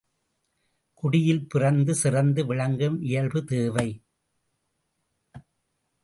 குடியில் பிறந்து சிறந்து விளங்கும் இயல்வு தேவை.